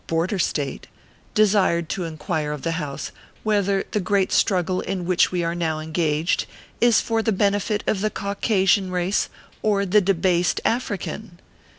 Border State) desired to inquire of the House whether the great struggle in which we are now engaged is for the benefit of the Caucasian race or the debased African